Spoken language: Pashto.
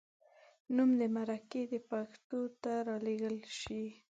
نوم دې مرکه د پښتو ته راولیږل شي.